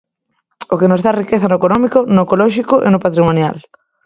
O que nos dá riqueza no económico, no ecolóxico e no patrimonial.